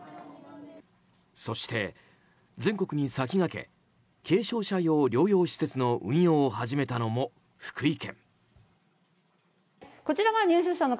そして、全国に先駆け軽症者用療養施設の運用を始めたのも福井県。